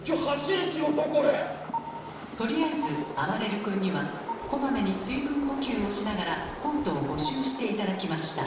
とりあえずあばれる君にはこまめに水分補給をしながらコートを５周して頂きました。